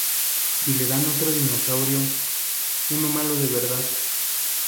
¿ Y si le dan otro dinosaurio? ¿ uno malo de verdad?